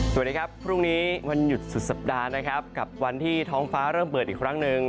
สวัสดีครับพรุ่งนี้วันหยุดสุดสัปดาห์นะครับกับวันที่ท้องฟ้าเริ่มเปิดอีกครั้งหนึ่ง